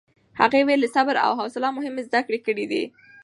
هغې ویلي، صبر او حوصله مهمې زده کړې دي.